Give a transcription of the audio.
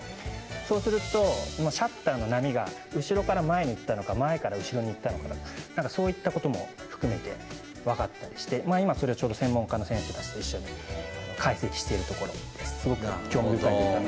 そうすると、シャッターの波が後ろから前にいったのか前から後ろにいったのかそういったことも含めて分かったりして今、ちょうど専門家の先生たちと解析しているところです。